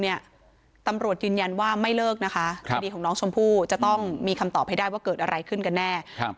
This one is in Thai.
ฟังท่านเพิ่มค่ะบอกว่าถ้าผู้ต้องหาหรือว่าคนก่อเหตุฟังอยู่